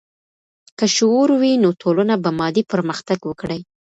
که شعور وي، نو ټولنه به مادي پرمختګ وکړي.